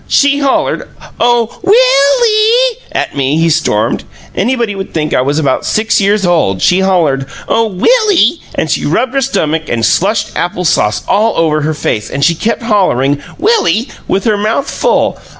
"She hollered, 'Oh, WILL EE' at me!" he stormed. "Anybody would think I was about six years old! She hollered, 'Oh, Will ee,' and she rubbed her stomach and slushed apple sauce all over her face, and she kept hollering, 'Will ee!' with her mouth full.